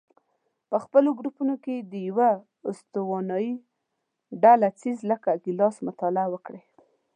په خپلو ګروپونو کې د یوه استواني ډوله څیز لکه ګیلاس مطالعه وکړئ.